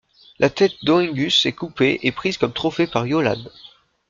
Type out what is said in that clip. La tête d'Óengus est coupée et prise comme trophée par Iollan.